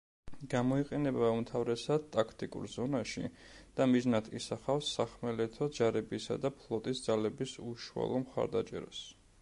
გამოიყენება უმთავრესად ტაქტიკურ ზონაში და მიზნად ისახავს სახმელეთო ჯარებისა და ფლოტის ძალების უშუალო მხარდაჭერას.